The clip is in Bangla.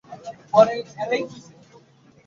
তবেই আমরা ভগবানকে লাভ করিব।